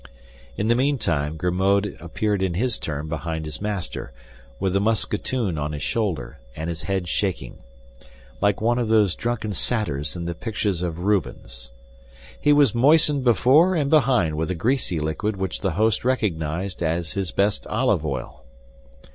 In the meantime, Grimaud appeared in his turn behind his master, with the musketoon on his shoulder, and his head shaking. Like one of those drunken satyrs in the pictures of Rubens. He was moistened before and behind with a greasy liquid which the host recognized as his best olive oil.